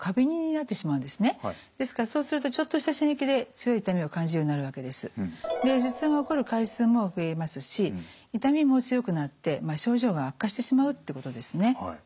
鎮痛薬トリプタンもそうですけども頭痛が起こる回数も増えますし痛みも強くなって症状が悪化してしまうってことですね。